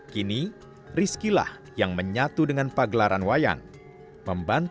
kini rizki lah yang menyatu dengan pagelaran wayang kulit